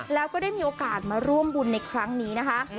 แล้วก็ได้มีโอกาสมาร่วมบุญในครั้งนี้นะคะ